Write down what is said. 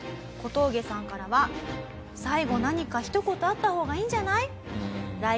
小峠さんからは「最後何かひと言あった方がいいんじゃない？